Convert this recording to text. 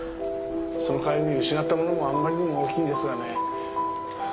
その代わりに失ったものもあんまりにも大きいんですがね。